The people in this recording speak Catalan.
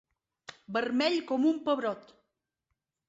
Vermell com un pebrot.